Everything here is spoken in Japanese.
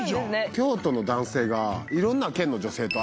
京都の男性が色んな県の女性と相性。